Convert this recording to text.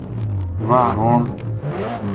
واہ رون